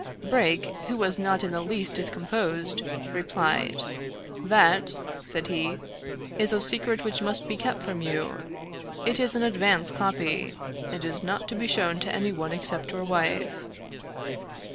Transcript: Brake, who was not in the least discomposed, replied. " That," said he, " is a secret which must be kept from you. It is an advance copy, and is not to be shown to any one except your wife."